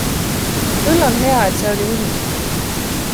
Küll on hea, et see oli uni.